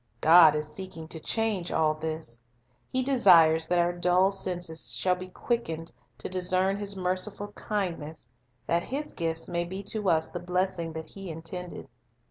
God is seeking to change all this. He desires that our dull senses shall be quick ened to discern His merciful kindness, that His gifts may be to us the blessing that He intended.